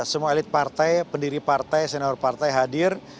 semua elit partai pendiri partai senior partai hadir